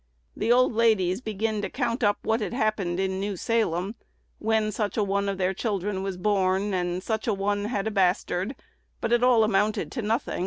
The old ladies would begin to count up what had happened in New Salem when such a one of their children was born, and such a one had a bastard; but it all amounted to nothing.